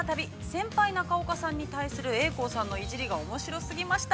先輩中岡さんに対する、英孝さんのいじりが、おもしろすぎました。